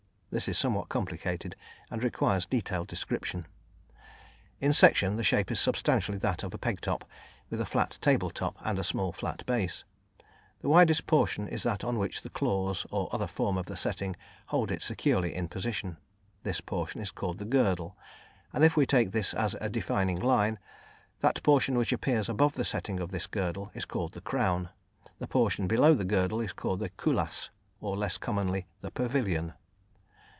This is somewhat complicated, and requires detailed description. In section, the shape is substantially that of a pegtop with a flat "table" top and a small flat base. The widest portion is that on which the claws, or other form of setting, hold it securely in position. This portion is called the "girdle," and if we take this as a defining line, that portion which appears above the setting of this girdle, is called the "crown"; the portion below the girdle is called the "culasse," or less commonly the "pavilion."